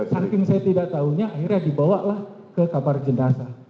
saking tidak tahunya akhirnya dibawalah ke kamar jenazah